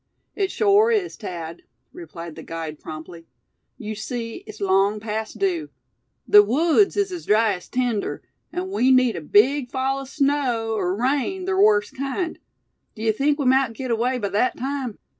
"It shore is, Thad," replied the guide, promptly. "Yew see, it's long past due. The woods is as dry as tinder, and we need a big fall o' snow er rain ther wust kind. D'ye think we mout git away by thet time?"